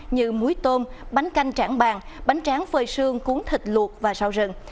như muối tôm bánh canh trảng bàn bánh tráng phơi xương cuốn thịt luộc và rau rừng